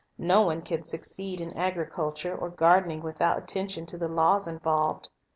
No one can succeed in agriculture or gardening without attention to the laws involved.